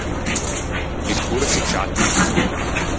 Discorsci ciatti.